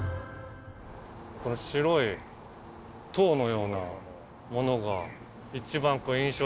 この白い塔のようなものが一番印象的ですけど。